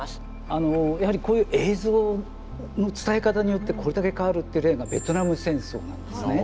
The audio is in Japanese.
あのやはりこういう映像の伝え方によってこれだけ変わるって例がベトナム戦争なんですね。